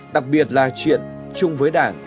đặc biệt là chuyện chung với đảng